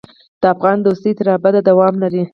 د افغان دوستي تر ابده دوام لري.